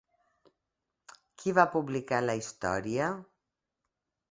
Qui va publicar la història?